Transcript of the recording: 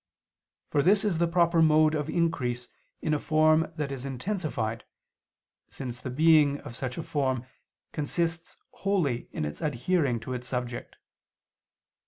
For this is the proper mode of increase in a form that is intensified, since the being of such a form consists wholly in its adhering to its subject.